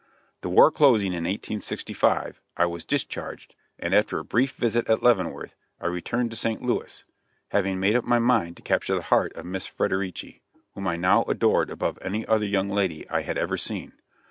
The war closing in 1865, I was discharged, and after a brief visit at Leavenworth I returned to St. Louis, having made up my mind to capture the heart of Miss Frederici, whom I now adored above any other young lady I had ever seen.